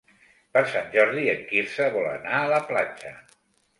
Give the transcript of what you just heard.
Per Sant Jordi en Quirze vol anar a la platja.